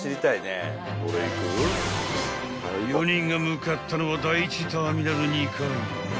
［４人が向かったのは第１ターミナル２階］